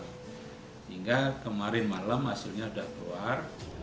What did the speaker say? sehingga kemarin malam hasilnya sudah keluar